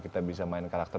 kita bisa main karakter